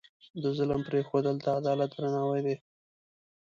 د ظلم پرېښودل، د عدالت درناوی دی.